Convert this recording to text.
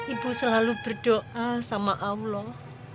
ibu selalu berdoa sama allah